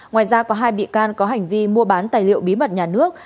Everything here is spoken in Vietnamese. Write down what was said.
ngoài ra có hai bị can có hành vi mua bán tài liệu bí mật nhà nước